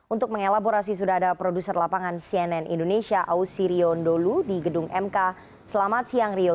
untuk mengelaborasi sudah ada produser lapangan cnn indonesia ausi riondolu di gedung mk selamat siang rio